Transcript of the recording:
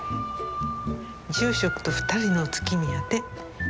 住職と２人のお月見やて。